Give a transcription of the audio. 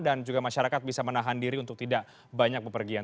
dan juga masyarakat bisa menahan diri untuk tidak banyak pepergian